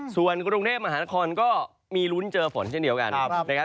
ส่วนกรุงเทพมหานครก็มีลุ้นเจอฝนทั้งเดียวกัน